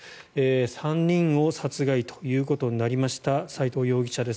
３人を殺害ということになりました斎藤容疑者です。